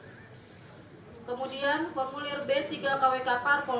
hai kemudian formulir b tiga kwk parpol